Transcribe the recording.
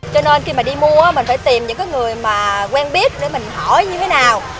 cho nên khi mà đi mua mình phải tìm những cái người mà quen biết để mình hỏi như thế nào